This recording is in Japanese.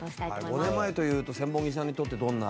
５年前というと千本木さんにとってどんな？